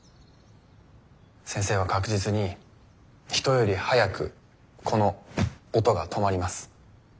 先生は確実に人より早くこの音が止まります。